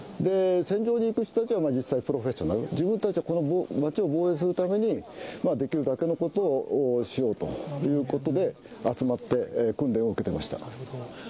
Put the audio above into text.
戦場に行く人たちは実際プロフェッショナル、自分たちは街を防衛するためにできるだけのことをしようということで、集まって訓練を受けていました。